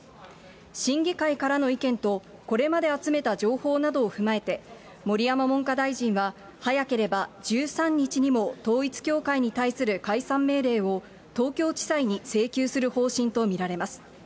審議会からの意見と、これまで集めた情報などを踏まえて、盛山文科大臣は早ければ１３日にも統一教会に対する解散命令を東京地裁に請求する方針と見られます。